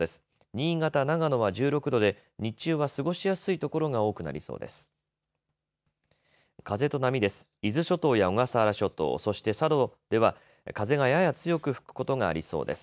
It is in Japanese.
新潟、長野は１６度で日中は過ごしやすいところが多くなりそうです。